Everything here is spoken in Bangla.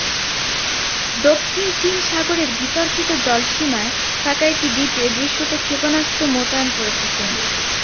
দক্ষিণ চীন সাগরের বিতর্কিত জলসীমায় থাকা একটি দ্বীপে দৃশ্যত ক্ষেপণাস্ত্র মোতায়েন করেছে চীন।